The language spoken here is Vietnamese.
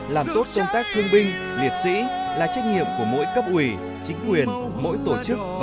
làm tốt công tác thương binh liệt sĩ là trách nhiệm của mỗi cấp ủy chính quyền mỗi tổ chức và